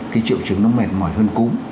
cái triệu chứng nó mệt mỏi hơn cũ